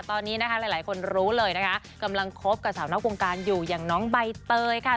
ตอนนี้นะคะหลายคนรู้เลยนะคะกำลังคบกับสาวนอกวงการอยู่อย่างน้องใบเตยค่ะ